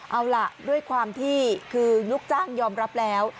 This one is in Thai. เอาล่ะด้วยความที่คือลูกจ้างยอมรับแล้ว